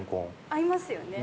合いますよね。